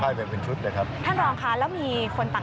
แค่เจอเป็นชุดนะครับ